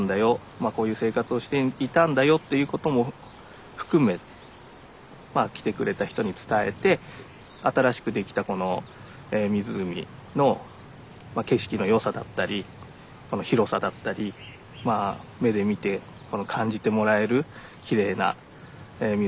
まあこういう生活をしていたんだよっていうことも含めまあ来てくれた人に伝えて新しくできたこの湖の景色の良さだったりこの広さだったりまあ目で見てこの感じてもらえるきれいな湖。